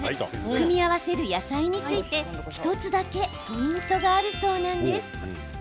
組み合わせる野菜について１つだけポイントがあるそうなんです。